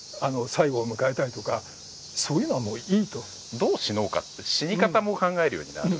どう死のうかって死に方も考えるようになる。